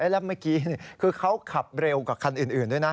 แล้วเมื่อกี้คือเขาขับเร็วกว่าคันอื่นด้วยนะ